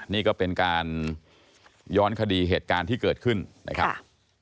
นี่ก็เป็นการย้อนคดีเหตุการณ์ที่เกิดขึ้นนะครับ